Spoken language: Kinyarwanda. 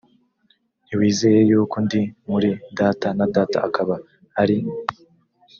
ntiwizeye yuko ndi muri data na data akaba ari